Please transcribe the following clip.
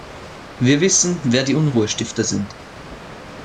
Wir wissen, wer die Unruhestifter sind.